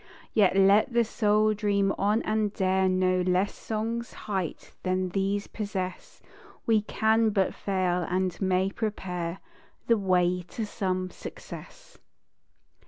_ Yet let the Soul dream on and dare No less SONG'S _height that these possess: We can but fail; and may prepare The way to some success.